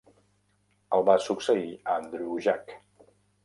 El va succeir Andrew Jack.